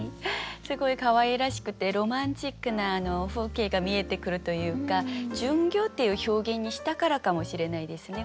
すごいかわいらしくてロマンチックな風景が見えてくるというか「巡業」っていう表現にしたからかもしれないですね。